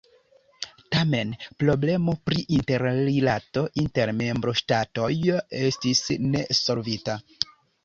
Tamen problemo pri interrilato inter membroŝtatoj estis ne solvita.